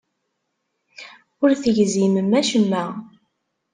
Ur tegzimem acemma.